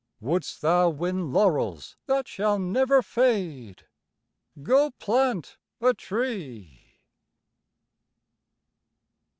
Wouldst thou win laurels that shall never fade? Go plant a tree.